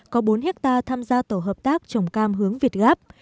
có bốn hectare tham gia tổ hợp tác trồng cam hướng việt gáp